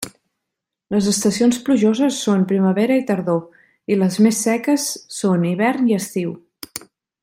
Les estacions plujoses són primavera i tardor, i les més seques són hivern i estiu.